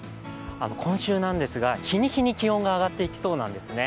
今週なんですが、日に日に気温が上がっていきそうなんですね。